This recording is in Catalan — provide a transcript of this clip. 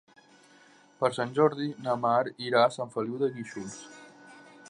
Per Sant Jordi na Mar irà a Sant Feliu de Guíxols.